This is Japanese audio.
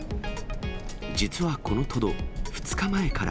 実はこのトド、２日前から。